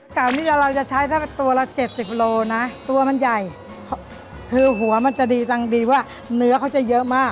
เก่านี้เราจะใช้ได้ตัวละ๗๐โลนะตัวมันใหญ่คือหัวมันจะดีจังดีว่าเนื้อเขาจะเยอะมาก